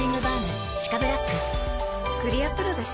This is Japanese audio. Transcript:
クリアプロだＣ。